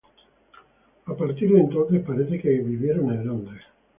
A partir de entonces, parece que vivieron en Londres.